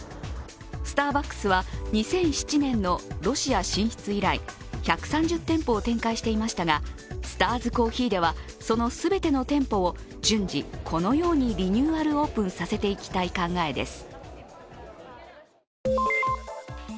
スターバックスは、２００７年のロシア進出以来、１３０店舗を展開していましたが、スターズコーヒーではその全ての店舗を順次、このようにリニューアルオープンさせていきたい考えです。